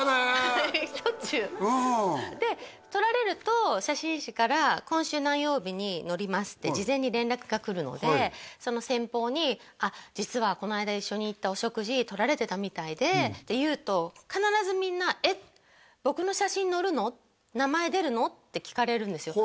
しょっちゅうで撮られると写真誌から今週何曜日に載りますって事前に連絡が来るのでその先方に実はこの間一緒に行ったお食事撮られてたみたいでって言うと必ずみんな「えっ僕の写真載るの？」「名前出るの？」って聞かれるんですよ